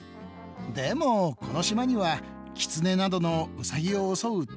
でもこの島にはキツネなどのウサギを襲う敵がいない。